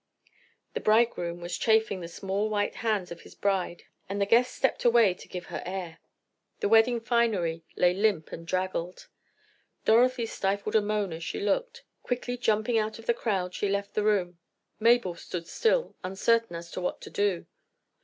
The bridegroom was chafing the small white hands of his bride, and the guests stepped away to give her air. The wedding finery lay limp and draggled. Dorothy stifled a moan as she looked. Quickly jumping out of the crowd she left the room. Mabel stood still, uncertain as to what to do.